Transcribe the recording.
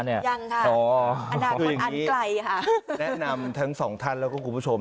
ยังค่ะอนาคตอันไกลค่ะแนะนำทั้งสองท่านแล้วก็คุณผู้ชม